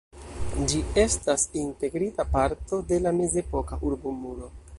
Ĝi estas integrita parto de la mezepoka urbomuro.